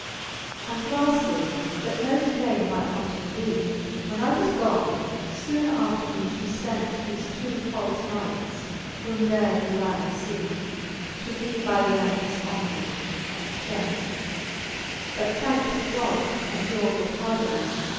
XXIII. And laftly, that no fhame might wanting be, When I was gone, foone after me fhe fent Thefe two falfe knights, whom there ye lying fee. To be by them difhonoured and fhent : But thankt be God, and your good hardiment.